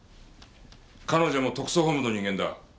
彼女も特捜本部の人間だ。